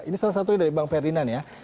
ini salah satunya dari bang ferdinand ya